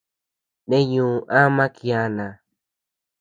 Neñu ama kiana.